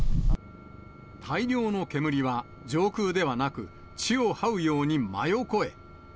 大量の煙は、上空ではなく、地をはうように真横へ。